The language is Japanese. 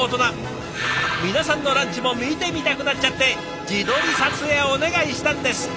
皆さんのランチも見てみたくなっちゃって自撮り撮影お願いしたんです！